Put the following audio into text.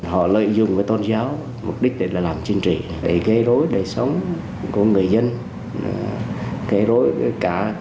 họ lợi dụng với tôn giáo mục đích để làm chinh trị để gây rối đời sống của người dân gây rối cả về tín ngưỡng nữa